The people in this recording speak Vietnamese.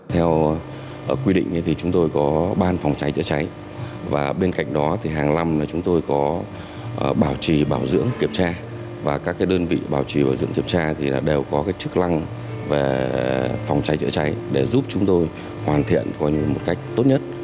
theo quy định thì chúng tôi có ban phòng cháy chữa cháy và bên cạnh đó thì hàng năm chúng tôi có bảo trì bảo dưỡng kiểm tra và các đơn vị bảo trì bảo dưỡng kiểm tra thì đều có chức năng về phòng cháy chữa cháy để giúp chúng tôi hoàn thiện một cách tốt nhất